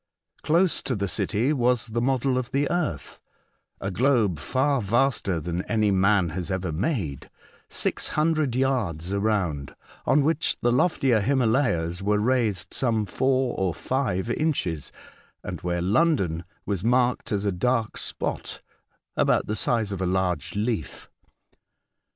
Close to the city was the model of the earth, a globe far vaster than any man has ever made, six hundred yards around, on which the loftier Himalayas were raised some four or five inches, and where London was marked as a dark spot about the size of a large leaf.